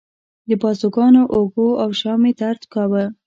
بازوګانو، اوږو او شا مې درد کاوه.